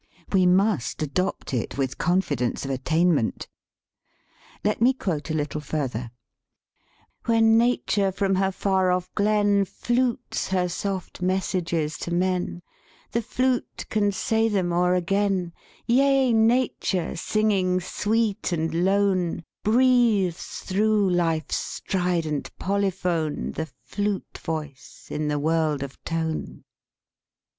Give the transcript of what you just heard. We must adopt it with confidence of attainment. Le*t me quote a little further: '' When Nature from her far off glen Flutes her soft messages to men, The flute can say them o'er again; Yea, Nature, singing sweet and lone, Breathes through life's strident polyphone The flute voice in the world of tone."